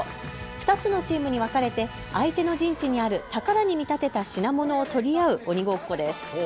２つのチームに分かれて相手の陣地にある宝に見立てた品物を取り合う鬼ごっこです。